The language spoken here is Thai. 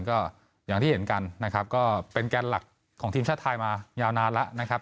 ก็อย่างที่เห็นกันนะครับก็เป็นแกนหลักของทีมชาติไทยมายาวนานแล้วนะครับ